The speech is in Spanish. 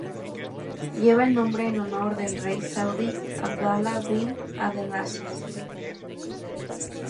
Lleva el nombre en honor del Rey saudí "Abdalá bin Abdelaziz".